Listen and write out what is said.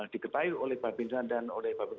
diketahui oleh bapak bintang dan bapak bapak